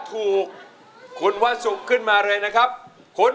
ร้องได้ให้ร้าน